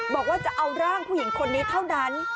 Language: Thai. บอกว่าจะเอาร่างผู้หญิงคนนี้เท่านั้น